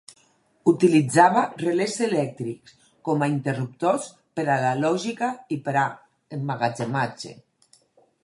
Utilitzava relés elèctrics com a interruptors per a la lògica i per a emmagatzematge.